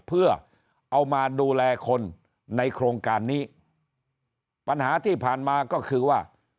เพื่อเอามาดูแลคนในโครงการนี้ปัญหาที่ผ่านมาก็คือว่า